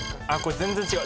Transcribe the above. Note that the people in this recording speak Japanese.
全然違う。